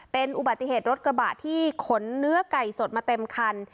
เป็นอุบัติเหตุรถกระบะที่ขนเนื้อไก่สดมาเต็มคัน